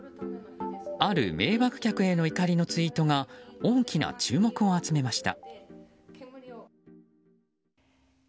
ある迷惑客への怒りのツイートが大きな注目を集めました。